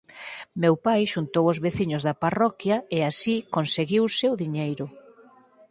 Meu pai xuntou os veciños da parroquia e así conseguiuse o diñeiro.